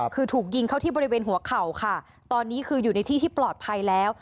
คือถูกยิงเข้าที่บริเวณหัวเข่าค่ะตอนนี้คืออยู่ในที่ที่ปลอดภัยแล้ว